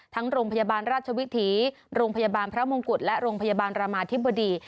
โรงพยาบาลราชวิถีโรงพยาบาลพระมงกุฎและโรงพยาบาลรามาธิบดี